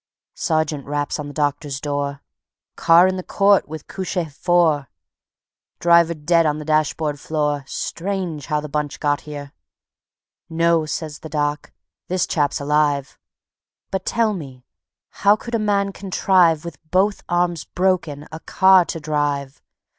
Sergeant raps on the doctor's door; "Car in the court with couchés four; Driver dead on the dashboard floor; Strange how the bunch got here." "No," says the Doc, "this chap's alive; But tell me, how could a man contrive With both arms broken, a car to drive?